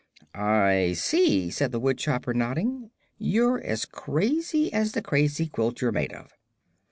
"I see," said the woodchopper, nodding; "you're as crazy as the crazy quilt you're made of."